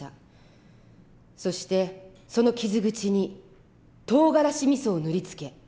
そしてその傷口にとうがらしみそを塗り付け